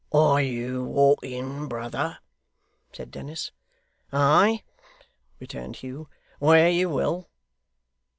'Are you walking, brother?' said Dennis. 'Ay!' returned Hugh. 'Where you will.